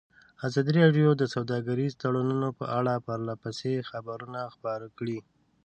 ازادي راډیو د سوداګریز تړونونه په اړه پرله پسې خبرونه خپاره کړي.